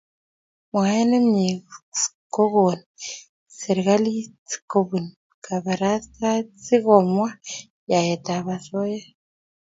mwaet nemiee kokon serikslit kopun kaparastaet ,si kumwaa yaet ap osoya